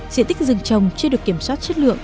diện tích rừng trồng chưa được kiểm soát chất lượng